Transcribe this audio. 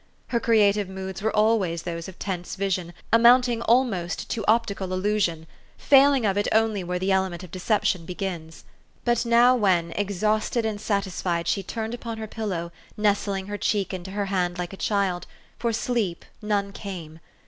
Her creative moods were always those of tense vision, amount ing almost to optical illusion, failing of it only where the element of deception begins ; but now when, exhausted and satisfied, she turned upon her pillow, nestling her cheek into her hand like a child, for sleep, none came.